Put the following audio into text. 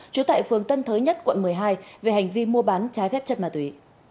trú tại phường tân thới nhất quận một mươi hai về hành vi mua bán trái phép chất ma túy